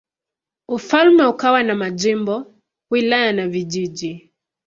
Ufalme ukawa na majimbo, wilaya na vijiji.